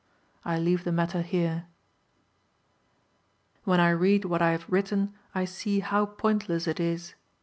I leave the matter here. "When I read what I have written I see how pointless it is.